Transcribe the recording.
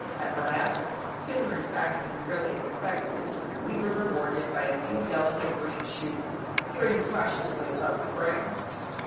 At last, sooner in fact than we really expected, we were rewarded by a few delicate green shoots, peering cautiously above the ground.